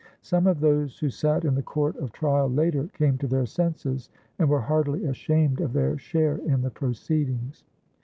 Some of those who sat in the court of trial later came to their senses and were heartily ashamed of their share in the proceedings.